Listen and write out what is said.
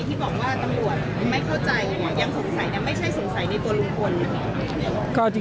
ยังสงสัยยังไม่ใช่สงสัยในตัวลุงพล